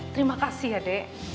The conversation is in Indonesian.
terima kasih ya dek